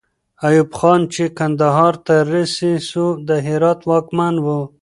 ایوب خان چې کندهار ته رهي سو، د هرات واکمن وو.